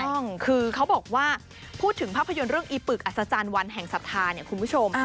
ถูกต้องคือเขาบอกว่าพูดถึงภาพยนตร์เรื่องอีปึกอัศจรรย์วันแห่งศรัทธาเนี่ยคุณผู้ชม